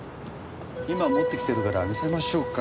今持ってきてるから見せましょうか。